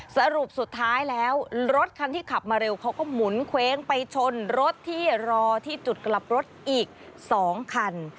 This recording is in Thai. สรุปสุดท้ายแล้วรถคันที่ขับมาเร็วเขาก็หมุนเว้งไปชนรถที่รอที่จุดกลับรถอีก๒คัน